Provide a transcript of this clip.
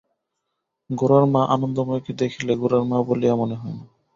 গোরার মা আনন্দময়ীকে দেখিলে গোরার মা বলিয়া মনে হয় না।